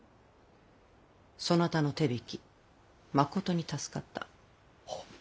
そなたの手引きまことに助かった。